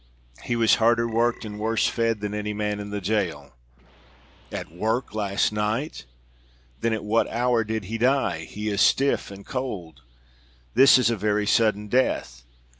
He was harder worked and worse fed than any man in the jail." "At work last night! Then at what hour did he die? He is stiff and cold. This is a very sudden death.